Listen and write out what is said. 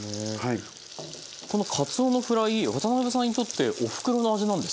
このかつおのフライ渡辺さんにとっておふくろの味なんですって？